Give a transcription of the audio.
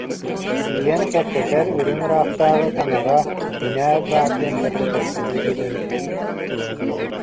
Тиийэн кэпсэтэр, үрүҥ ыраахтааҕы, таҥара, кинээс баар диэн кэпсэтэллэр, өйдөтөллөр